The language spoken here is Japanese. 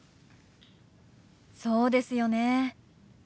そうですよね。